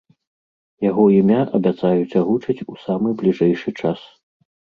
Яго імя абяцаюць агучыць у самы бліжэйшы час.